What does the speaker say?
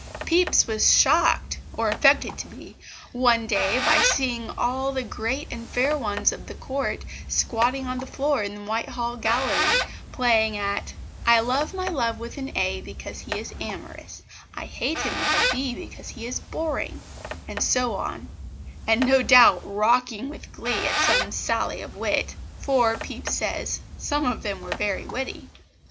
Pepys was shocked or affected to be one day by seeing all the great and fair ones of the Court squatting on the floor in the Whitehall gallery playing at "I love my love with an A because he is Amorous"; "I hate him with a B because he is Boring," and so on; and no doubt rocking with glee at some sally of wit, for, Pepys says, "some of them were very witty."